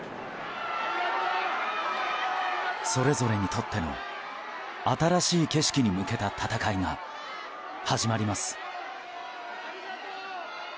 それぞれにとっての新しい景色に向けた戦いが始まります。